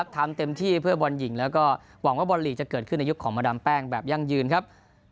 ทำเต็มที่เพื่อบอลหญิงแล้วก็หวังว่าบอลลีกจะเกิดขึ้นในยุคของมาดามแป้งแบบยั่งยืนครับ